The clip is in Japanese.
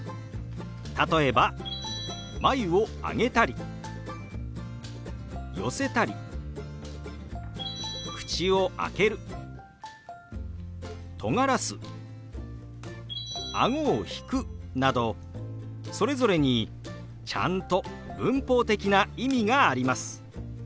例えば眉を上げたり寄せたり口を開けるとがらすあごを引くなどそれぞれにちゃんと文法的な意味があります。